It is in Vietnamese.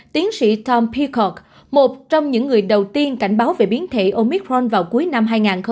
tiến sĩ tom peacock một trong những người đầu tiên cảnh báo về biến thể omicron vào cuối năm hai nghìn hai mươi một